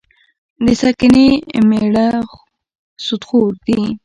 د سنګینې میړه سودخور دي.